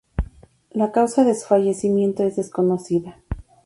La causa de su fallecimiento es desconocida.